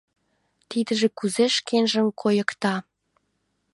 Тидыже кузе шкенжым койыкта?